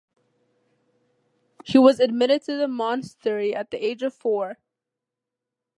He was admitted to the monastery at the age of four.